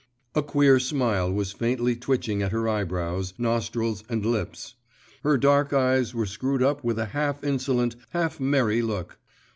A queer smile was faintly twitching at her eyebrows, nostrils, and lips; her dark eyes were screwed up with a half insolent, half merry look.